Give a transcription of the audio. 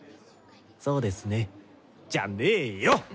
そうですねじゃねよ。